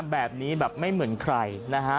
แบบนี้แบบไม่เหมือนใครนะฮะ